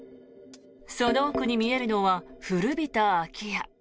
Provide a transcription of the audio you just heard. その奥に見えるのは古びた空き家。